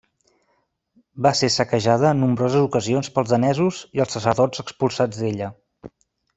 Va ser saquejada en nombroses ocasions pels danesos i els sacerdots expulsats d'ella.